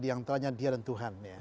yang tanya dia dan tuhan ya